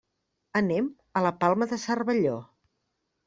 Anem a la Palma de Cervelló.